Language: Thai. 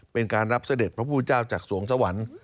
เป็นการรับเสด็จพระพุทธเจ้าจากสวงสวรรค์